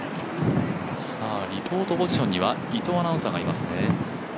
リポートポジションには伊藤アナウンサーがいますね。